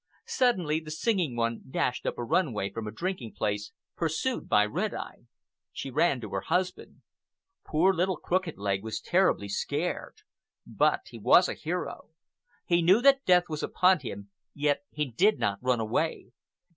Suddenly the Singing One dashed up a run way from a drinking place, pursued by Red Eye. She ran to her husband. Poor little Crooked Leg was terribly scared. But he was a hero. He knew that death was upon him, yet he did not run away.